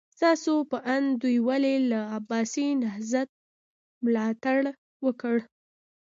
ستاسو په اند دوی ولې له عباسي نهضت ملاتړ وکړ؟